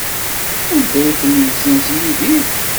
Anda ay ten-yessenz Yidir?